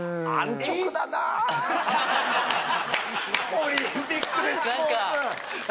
オリンピックでスポーツ。